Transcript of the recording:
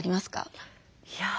いや。